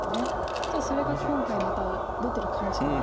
ちょっとそれが今回また出てるかもしれない。